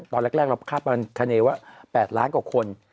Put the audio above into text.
ตอนแรกเราคาดประมาณคาเนวะ๘ล้านกว่าคน